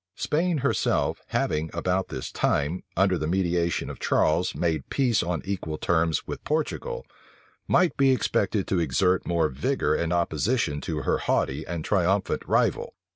Spain herself, having about this time, under the mediation of Charles, made peace on equal terms with Portugal, might be expected to exert more vigor and opposition to her haughty and triumphant rival.